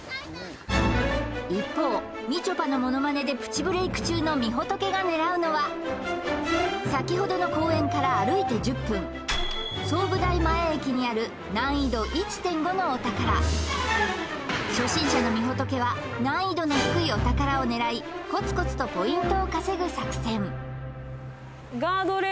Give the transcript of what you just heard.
一方みちょぱのモノマネでプチブレイク中のみほとけが狙うのは先ほどの公園から歩いて１０分相武台前駅にある難易度１．５のお宝初心者のみほとけは難易度の低いお宝を狙いコツコツとポイントを稼ぐ作戦ＵＰですもんね